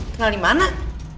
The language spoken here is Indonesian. ya mau master